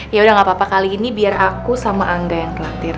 yaudah gak apa apa kali ini biar aku sama angga yang traktir